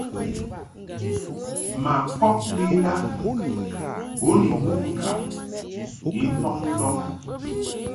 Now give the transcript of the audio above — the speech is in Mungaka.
Ma pob lela bo ni mbuʼ ŋkaʼ ni ntɔŋ ndɔŋ.